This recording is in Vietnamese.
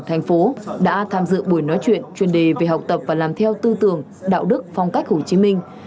thành phố đã tham dự buổi nói chuyện chuyên đề về học tập và làm theo tư tưởng đạo đức phong cách hồ chí minh